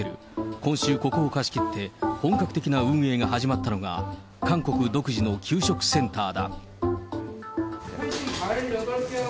今週、ここを貸し切って本格的な運営が始まったのが、韓国独自の給食センターだ。